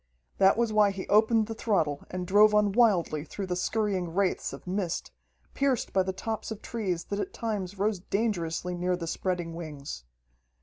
That was why he opened the throttle and drove on wildly through the scurrying wraiths of mist, pierced by the tops of trees that at times rose dangerously near the spreading wings.